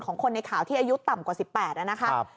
ของคนในข่าวที่อายุต่ำกว่า๑๘นะครับ